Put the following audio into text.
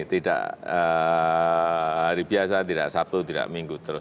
tidak hari biasa tidak sabtu tidak minggu terus